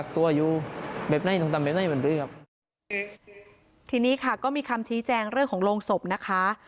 ทีนี้ค่ะก็มีคำชี้แจงเรื่องของโรงศพนะคะ